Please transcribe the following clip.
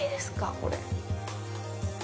これ。